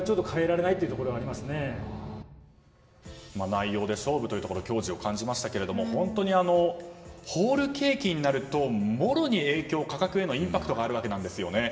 内容で勝負というところに矜持を感じましたが本当にホールケーキになるともろに影響価格へのインパクトがあるわけなんですね。